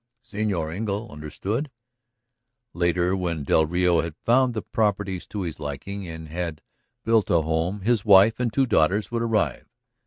Señor Engle understood? ... Later, when del Rio had found the properties to his liking and had builded a home, his wife and two daughters would arrive.